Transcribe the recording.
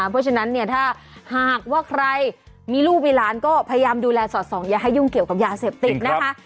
เพราะฉะนั้นเนี่ยถ้าหากว่าใครมีลูกมีหลานก็พยายามดูแลสอดส่องอย่าให้ยุ่งเกี่ยวกับยาเสพติดนะคะ